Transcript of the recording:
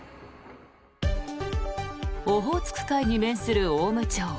オホーツク海に面する雄武町